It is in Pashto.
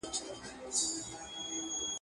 نصیب د جهاني له ستوني زور دی تښتولی.